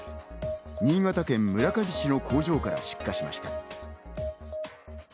新潟県村上市の工場から出火しました。